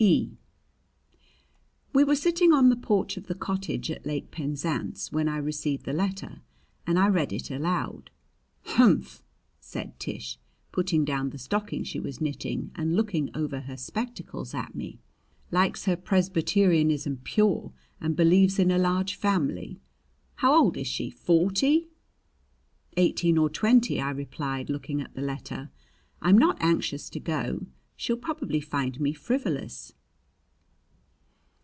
E. We were sitting on the porch of the cottage at Lake Penzance when I received the letter, and I read it aloud. "Humph!" said Tish, putting down the stocking she was knitting and looking over her spectacles at me "Likes her Presbyterianism pure and believes in a large family! How old is she? Forty?" "Eighteen or twenty," I replied, looking at the letter. "I'm not anxious to go. She'll probably find me frivolous."